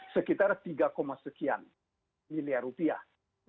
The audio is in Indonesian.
sekitar tiga sekian miliar rupiah